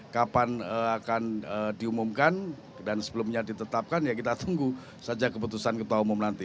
kapan akan diumumkan dan sebelumnya ditetapkan ya kita tunggu saja keputusan ketua umum nanti